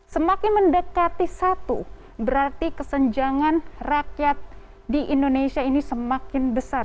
semakin mendekati satu berarti kesenjangan rakyat di indonesia ini semakin besar